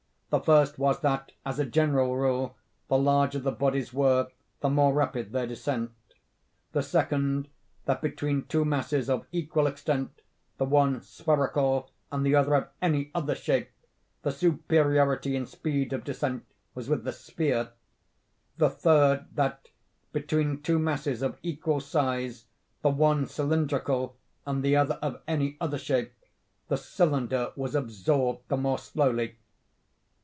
The first was, that, as a general rule, the larger the bodies were, the more rapid their descent—the second, that, between two masses of equal extent, the one spherical, and the other of any other shape, the superiority in speed of descent was with the sphere—the third, that, between two masses of equal size, the one cylindrical, and the other of any other shape, the cylinder was absorbed the more slowly.